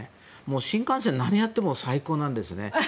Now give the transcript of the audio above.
新幹線、何やっても最高なんですね。